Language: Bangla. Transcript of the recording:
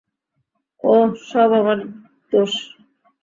ওহ, সব আমার দোষ।